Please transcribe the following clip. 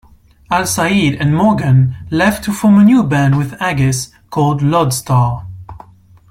Al-Sayed and Morgan left to form a new band with Haggis called Lodestar.